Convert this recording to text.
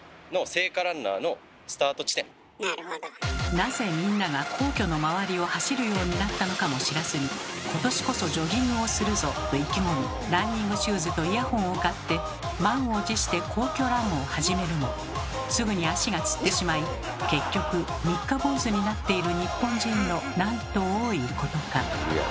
なぜみんなが皇居の周りを走るようになったのかも知らずに「今年こそジョギングをするぞ！」と意気込みランニングシューズとイヤホンを買って満を持して皇居ランを始めるもすぐに足がつってしまい結局三日坊主になっている日本人のなんと多いことか。